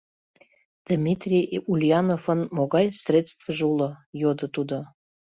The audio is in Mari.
— Дмитрий Ульяновын могай средствыже уло? — йодо тудо.